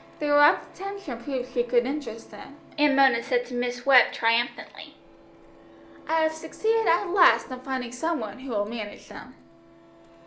Their rapt attention proved she could interest them, and Mona said to Miss Webb triumphantly "I have succeeded at last in finding some one who will manage them."